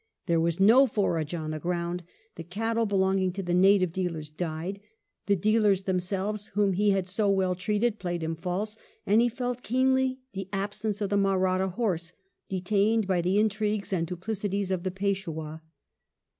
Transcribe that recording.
There was no forage on the ground ; the cattle belonging to the native dealers died ; the dealers themselves, whom he had so well treated, played him false; and he felt keenly the absence of the Mahratta horse, detained by the intrigues and duplicities of the Peishwah.